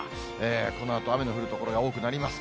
このあと雨の降る所が多くなります。